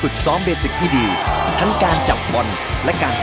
ก็มีกะลิบเล็กน้อย